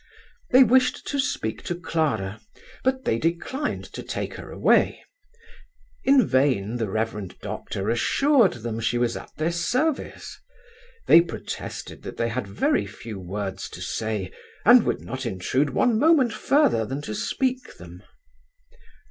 They wished to speak to Clara, but they declined to take her away. In vain the Rev. Doctor assured them she was at their service; they protested that they had very few words to say, and would not intrude one moment further than to speak them.